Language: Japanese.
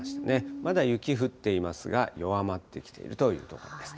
まだ雪降っていますが、弱まってきているというところです。